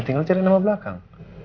tinggal cari nama belakang